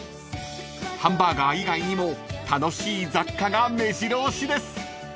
［ハンバーガー以外にも楽しい雑貨がめじろ押しです］